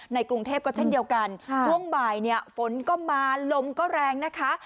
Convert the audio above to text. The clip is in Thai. กรุงเทพก็เช่นเดียวกันช่วงบ่ายเนี่ยฝนก็มาลมก็แรงนะคะ